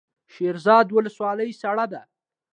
شیرزاد ولسوالۍ سړه ده؟